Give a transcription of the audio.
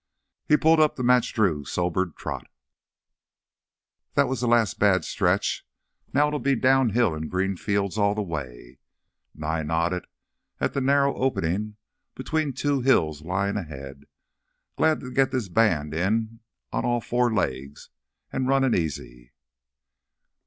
He pulled up to match Drew's sobered trot. "That's the last bad stretch; now it'll be downhill an' green fields all th' way." Nye nodded at the narrow opening between two hills lying ahead. "Glad to get this band in on all four legs an' runnin' easy."